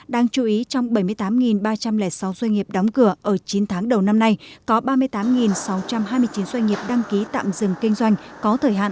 đáng chú ý trong bảy mươi tám ba trăm linh sáu doanh nghiệp đóng cửa ở chín tháng đầu năm nay có ba mươi tám sáu trăm hai mươi chín doanh nghiệp đăng ký tạm dừng kinh doanh có thời hạn